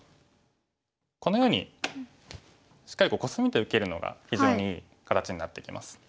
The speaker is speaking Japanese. このようにしっかりコスミで受けるのが非常にいい形になってきます。